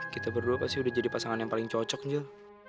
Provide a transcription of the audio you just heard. kita berdua pasti udah jadi pasangan yang paling cocok nih